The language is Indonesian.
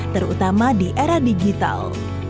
terutama di era digital